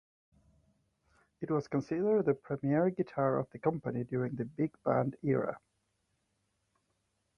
It was considered the premier guitar of the company during the big band era.